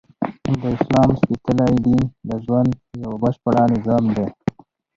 د اسلام سپیڅلی دین د ژوند یؤ بشپړ نظام دی!